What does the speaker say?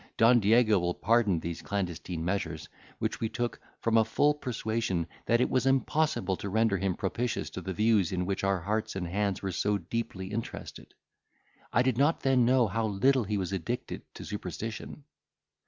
Don Diego will pardon these clandestine measures, which we took, from a full persuasion that it was impossible to render him propitious to the views in which our hearts and hands were so deeply interested. I did not then know how little he was addicted to superstition.